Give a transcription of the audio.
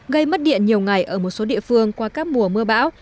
gây mất điện nhiều ngày ở một số địa phương qua các mùa mưa bão